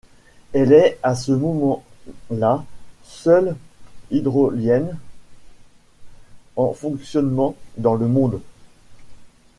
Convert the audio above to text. Elle est à ce moment la seule hydrolienne en fonctionnement dans le monde.